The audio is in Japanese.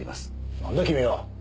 なんだ君は！